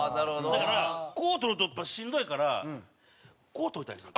だからこう取るとやっぱしんどいからこう取りたいんですよ。